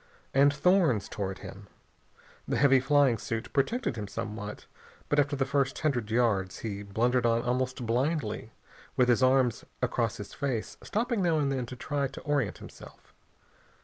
And thorns tore at him. The heavy flying suit protected him somewhat, but after the first hundred yards he blundered on almost blindly, with his arms across his face, stopping now and then to try to orient himself.